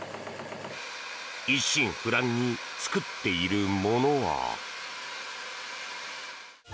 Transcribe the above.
一心不乱に作っているものは。